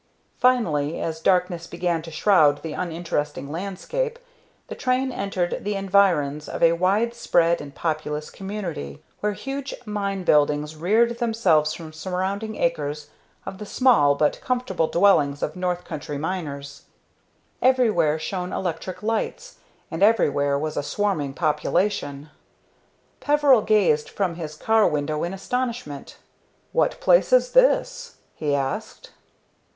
Finally, as darkness began to shroud the uninteresting landscape, the train entered the environs of a wide spread and populous community, where huge mine buildings reared themselves from surrounding acres of the small but comfortable dwellings of North country miners. Everywhere shone electric lights, and everywhere was a swarming population. Peveril gazed from his car window in astonishment. "What place is this?" he asked.